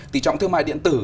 tỉ trọng thương mại điện tử